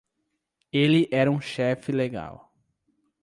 Ele era um chefe legal.